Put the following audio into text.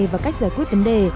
và cách giải quyết vấn đề